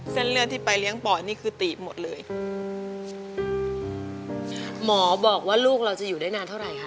เส้นเลือดที่ไปเลี้ยงปอดนี่คือตีบหมดเลยอืมหมอบอกว่าลูกเราจะอยู่ได้นานเท่าไหร่คะ